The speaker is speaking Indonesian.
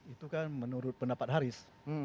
itu kan menurut pendapat haris